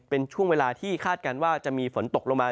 เป็นช่วงเวลาที่คาดการณ์ว่าจะมีฝนตกลงมา